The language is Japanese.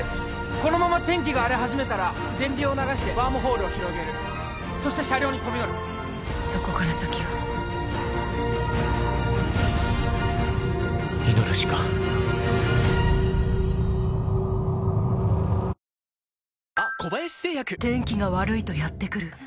このまま天気が荒れ始めたら電流を流してワームホールを広げるそして車両に飛び乗るそこから先は祈るしか晴れましたねー。